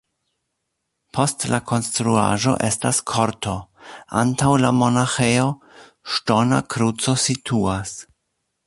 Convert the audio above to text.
Post la konstruaĵo estas korto, antaŭ la monaĥejo ŝtona kruco situas.